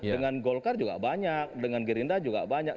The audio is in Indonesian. dengan golkar juga banyak dengan gerindra juga banyak